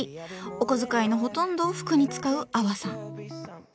お小遣いのほとんどを服に使うアワさん。